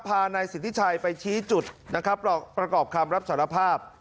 พานายสิทธิชัยไปชี้จุดนะครับประกอบคำรับสารภาพ